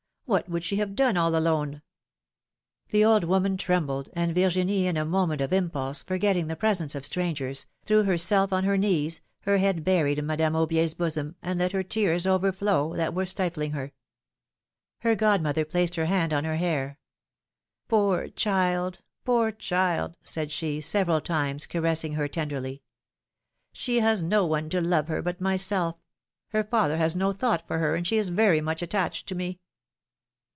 What would she have done all alone? The old woman trembled, and Virginie, in a moment o.^ impulse, forgetting the presence of strangers, threw herself on her knees, her head buried in Madame Aubier's bosom, and let her tears overflow, that were stifling her. Her godmother placed her hand on her hair. ^'Poor child, poor child said she, several times, caressing her tenderly. She has no one to love her but myself; her father has no thought for her, and she is very much attached to me!